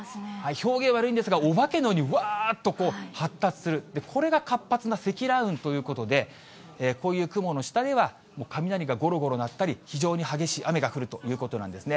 表現悪いんですが、お化けのように、うわーっと発達する、これが活発な積乱雲ということで、こういう雲の下では、もう雷がごろごろ鳴ったり、非常に激しい雨が降るということなんですね。